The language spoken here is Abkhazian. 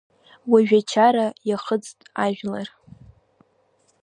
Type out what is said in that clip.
Уажәы ачара иахыҵт ажәлар.